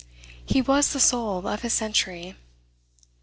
He was the soul of his century.